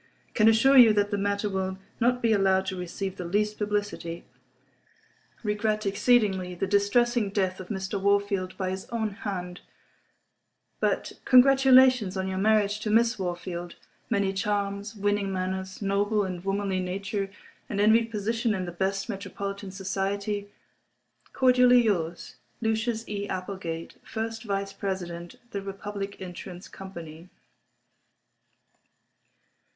… Can assure you that the matter will not be allowed to receive the least publicity. … Regret exceedingly the distressing death of Mr. Wahrfield by his own hand, but… Congratulations on your marriage to Miss Wahrfield … many charms, winning manners, noble and womanly nature and envied position in the best metropolitan society… Cordially yours, Lucius E. Applegate, First Vice President the Republic Insurance Company.